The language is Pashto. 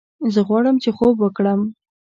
زه غواړم چې خوب وکړم